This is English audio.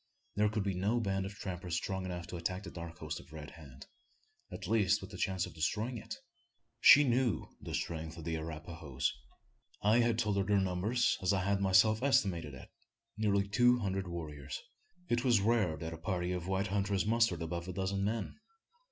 There could be no band of trappers strong enough to attack the dark host of Red Hand at least with the chance of destroying it? She knew the strength of the Arapahoes. I had told her their number, as I had myself estimated it nearly two hundred warriors. It was rare that a party of white hunters mustered above a dozen men.